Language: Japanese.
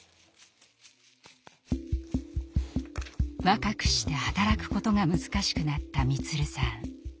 若くして働くことが難しくなった満さん。